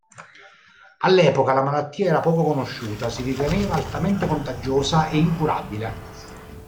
All'epoca la malattia era poco conosciuta: si riteneva altamente contagiosa e incurabile.